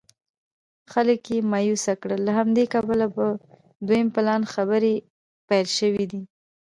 خلک یې مایوسه کړل له همدې کبله په دویم پلان خبرې پیل شوې دي.